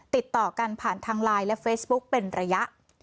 ติดต่อกันผ่านทางไลน์และเฟซบุ๊กเป็นระยะ